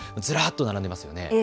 ずらっと並んでますよね。